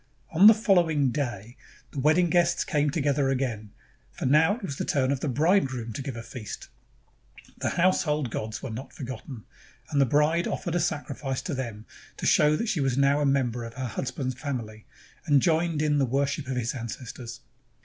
On the following day the wedding guests came together again, for now it was the turn of the bridegroom to give a feast. The household gods were not forgotten, and the bride offered a sacrifice to them to show that she was now a member of her hus band's family and joined in the worship of his ancestors.